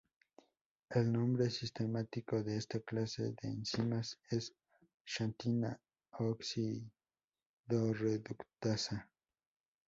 El nombre sistemático de esta clase de enzimas es xantina: oxidorreductasa.